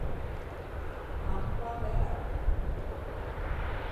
昂邦维尔。